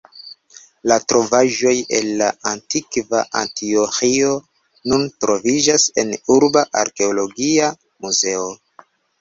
La trovaĵoj el la antikva Antioĥio nun troviĝas en urba arkeologia muzeo.